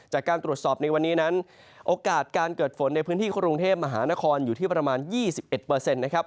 จากการตรวจสอบในวันนี้นั้นโอกาสการเกิดฝนในพื้นที่กรุงเทพมหานครอยู่ที่ประมาณ๒๑นะครับ